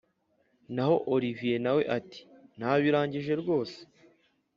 naho olivier nawe ati”nabirangije rwose”